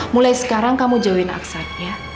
mulai sekarang kamu jauhin aksan ya